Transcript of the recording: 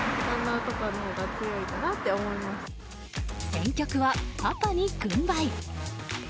選曲は、パパに軍配！